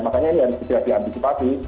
makanya ini harus segera diantisipasi